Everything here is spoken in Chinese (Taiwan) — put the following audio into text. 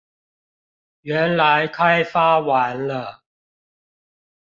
原來開發完了